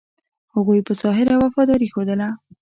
هغوی په ظاهره وفاداري ښودله.